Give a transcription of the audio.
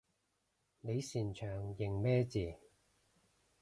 你擅長認咩字？